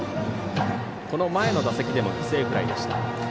この前の打席でも犠牲フライでした。